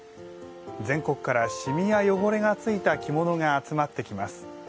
全国から染みや汚れがついた着物が集まってきます。